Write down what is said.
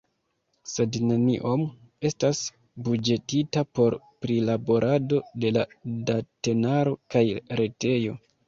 Sed neniom estas buĝetita por prilaborado de la datenaro kaj retejo.